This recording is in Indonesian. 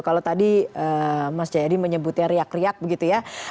kalau tadi mas jayadi menyebutnya riak riak begitu ya